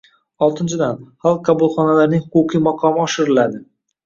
Oltinchidan, xalq qabulxonalarining huquqiy maqomi oshiriladi.